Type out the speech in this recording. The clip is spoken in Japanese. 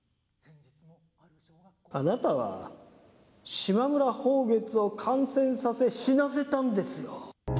あなたは島村抱月を感染させ、死なせたんですよ。